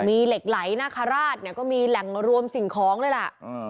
มีเหล็กไหลนาคาราชเนี่ยก็มีแหล่งรวมสิ่งของเลยล่ะ